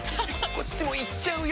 こっちも行っちゃうよ！